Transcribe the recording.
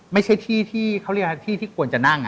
ไม่ใช่ที่ที่เขาเรียกที่ที่ควรจะนั่ง